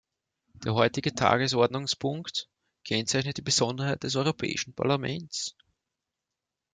Der heutige Tagesordnungspunkt kennzeichnet die Besonderheit des Europäischen Parlaments.